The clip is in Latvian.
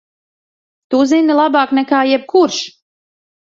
Tu zini labāk nekā jebkurš!